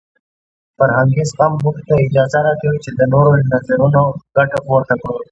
فرهنګي زغم موږ ته اجازه راکوي چې د نورو له نظرونو ګټه پورته کړو.